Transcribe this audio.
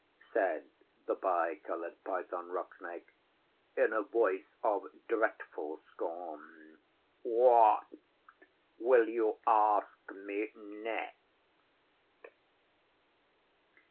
said the Bi Coloured Python Rock Snake, in a voice of dretful scorn. 'What will you ask me next?